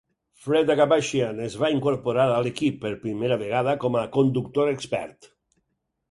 Fred Agabashian es va incorporar a l"equip per primera vegada com a conductor expert.